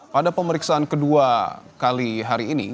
pada pemeriksaan kedua kali hari ini